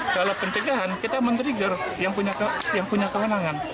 kalau pencegahan kita mengeriger yang punya kewenangan